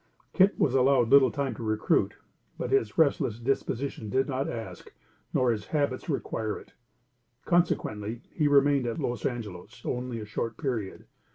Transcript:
Kit was allowed little time to recruit, but his restless disposition did not ask, nor his habits require it; consequently, he remained at Los Angelos only a short period.